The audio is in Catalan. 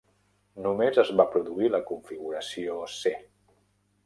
Només es va produir la configuració C.